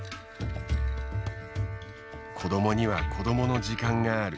子どもには子どもの時間がある。